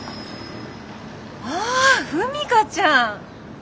ああ風未香ちゃん。